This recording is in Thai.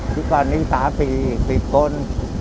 ทุกวันนี้สามสี่สิบคน